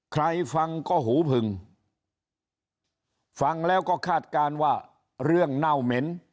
ใครฟังก็หูผึงฟังแล้วก็คาดการณ์ว่าเรื่องเน่าเหม็น